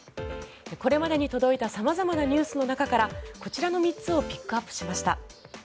これまでに届いた様々なニュースの中からこちらの３つをピックアップしました。